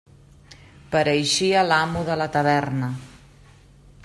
Pareixia l'amo de la taverna.